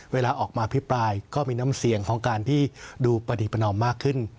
เวลาออกมาพิปรายก็มีน้ำเสียงของการที่ดูปฏิประนอมมากขึ้น